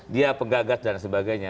dia penggagas dan sebagainya